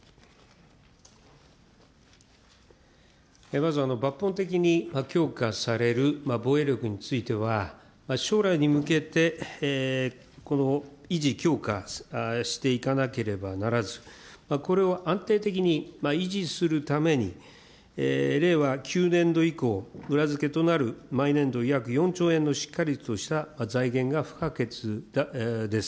まず抜本的に強化される防衛力については、将来に向けて、維持強化していかなければならず、これを安定的に維持するために、令和９年度以降、裏付けとなる毎年度約４兆円のしっかりとした財源が不可欠です。